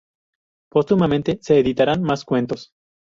Póstumamente se editarían más cuentos.